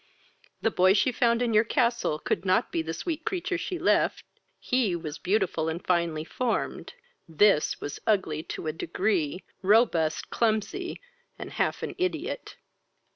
The boy she found in your castle could not be the sweet creature she left: he was beautiful and finely formed; this was ugly to a degree, robust, clumsy, and half an ideot.